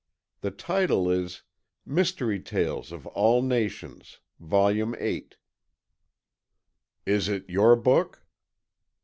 The title is Mystery Tales of All Nations, Volume VIII." "Is it your book?"